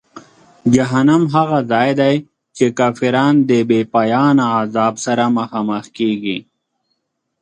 جهنم هغه ځای دی چې کافران د بېپایانه عذاب سره مخامخ کیږي.